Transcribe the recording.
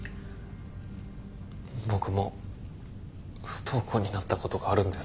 僕も不登校になったことがあるんです。